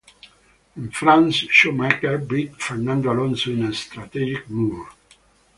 In France Schumacher beat Fernando Alonso in a strategic move.